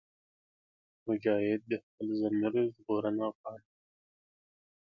مجاهد د خپل ضمیر ژغورنه غواړي.